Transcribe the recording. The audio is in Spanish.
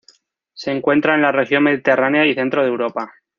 Se encuentra en la región mediterránea y centro de Europa.